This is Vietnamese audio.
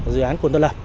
dự án còn tân lập